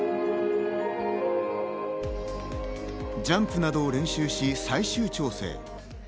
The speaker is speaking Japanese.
ジャンプなどを練習し、最終調整。